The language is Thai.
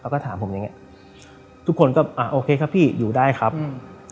ก็ถามผมอย่างเงี้ยทุกคนก็อ่าโอเคครับพี่อยู่ได้ครับอืม